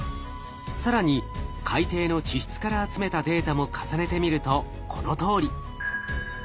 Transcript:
更に海底の地質から集めたデータも重ねてみるとこのとおり。